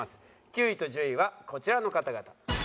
９位と１０位はこちらの方々。